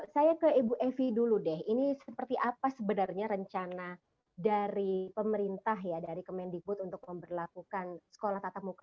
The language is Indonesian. saya ke ibu evi dulu deh ini seperti apa sebenarnya rencana dari pemerintah ya dari kemendikbud untuk memperlakukan sekolah tatap muka